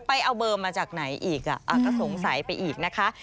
ไปเอาเบอร์มาจากไหนอีกก็สงสัยไปอีกนะคะ